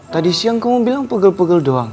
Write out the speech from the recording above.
tadi siang kamu bilang pegel pegel doang